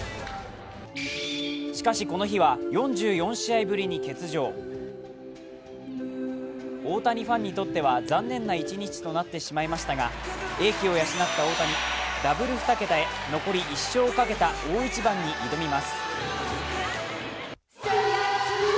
しかし、この日は４４試合ぶりに欠場大谷ファンにとっては残念な一日となってしまいましたが英気を養った大谷、ダブル２桁へ残り１勝をかけた大一番に挑みます。